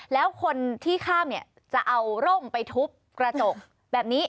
แล้วคนที่ข้ามเนี่ยจะเอาร่มไปทุบกระจกแบบนี้